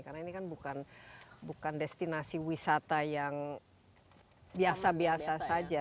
karena ini kan bukan destinasi wisata yang biasa biasa saja